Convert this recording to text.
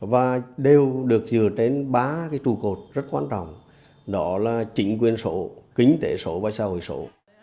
và đều được dựa trên ba trù cột rất quan trọng đó là trịnh quyền số kính tệ số và xã hội số